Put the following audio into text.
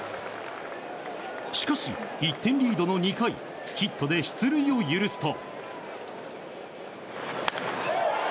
しかし、１点リードの２回ヒットで出塁を許すと。